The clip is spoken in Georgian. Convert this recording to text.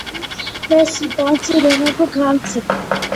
messi bandzi ronaldo gandzi